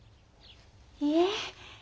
いえ。